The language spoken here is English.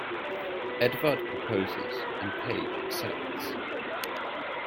Edvard proposes and Paige accepts.